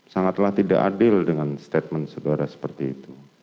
sangatlah tidak adil dengan statement saudara seperti itu